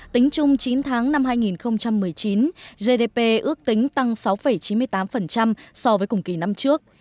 tính chung chín tháng năm hai nghìn một mươi chín gdp ước tính tăng sáu chín mươi tám so với cùng kỳ năm trước